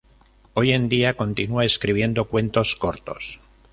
Hoy en día continúa escribiendo cuentos cortos.